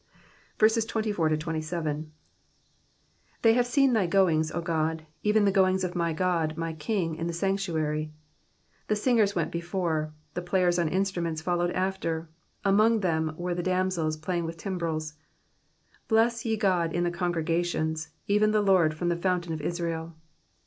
24 They have seen thy goings, O God ; even the goings of my God, my King, in the sanctuary. 25 The singers went before, the players on instruments followed after ; among tliem were the damsels playing with timbrels. 26 Bless ye God in the congregations, even the Lord, from the fountain of Israel.